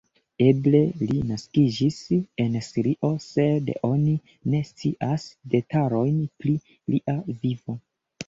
Eble li naskiĝis en Sirio, sed oni ne scias detalojn pri lia vivo.